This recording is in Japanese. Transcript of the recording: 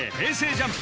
ＪＵＭＰ